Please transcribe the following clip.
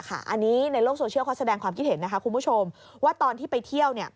อันนี้ในโลกโซเชียลเขาแสดงความคิดเห็นนะคะคุณผู้ชมว่าตอนที่ไปเที่ยว